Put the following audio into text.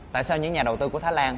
tại sao những nhà đầu tư của thái lan